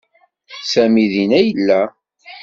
Sami dinna i yella.